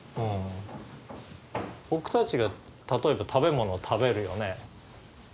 僕たちが例えば食べ物を食べるよね。